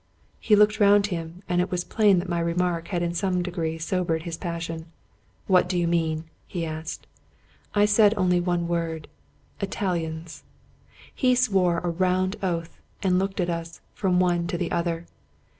He looked round him, and it was plain my remark had in some degree sobered his passion. " What do you mean? " he asked. I only said one word :" Italians." He swore a round oath, and looked at us, from one to the other.